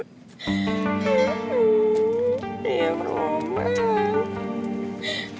ih ya roman